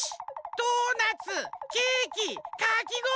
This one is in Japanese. ドーナツケーキかきごおりだ！